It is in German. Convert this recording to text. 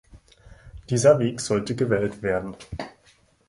Dieser Weg sollte gewählt werden.